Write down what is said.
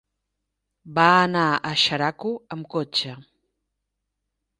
Va anar a Xeraco amb cotxe.